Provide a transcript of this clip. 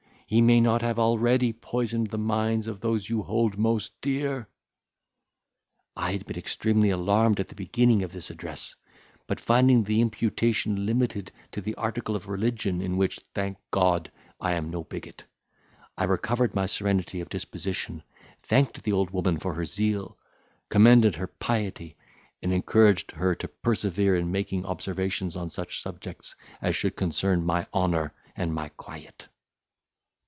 he may not have already poisoned the minds of those you hold most dear." I had been extremely alarmed at the beginning of this address; but, finding the imputation limited to the article of religion, in which, thank God, I am no bigot, I recovered my serenity of disposition, thanked the old woman for her zeal, commended her piety, and encouraged her to persevere in making observations on such subjects as should concern my honour and my quiet.